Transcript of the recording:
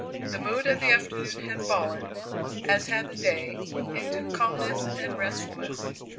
The mood of the afternoon had fallen, as had the day, into calmness and restfulness.